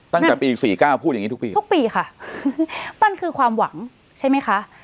ตั้งแต่ปีสี่เก้าพูดอย่างงี้ทุกปีทุกปีค่ะมันคือความหวังใช่ไหมคะ